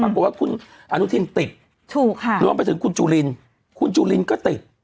ปรากฏว่าคุณอนุทินติดถูกค่ะรวมไปถึงคุณจุลินคุณจุลินก็ติด